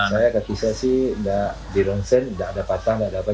saya katanya sih tidak di rongsen tidak ada patah tidak ada apa apa